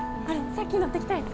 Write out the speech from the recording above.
さっき乗ってきたやつ。